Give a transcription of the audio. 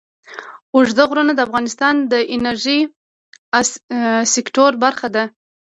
اوږده غرونه د افغانستان د انرژۍ سکتور برخه ده.